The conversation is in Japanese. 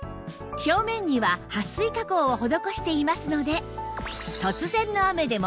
表面にははっ水加工を施していますので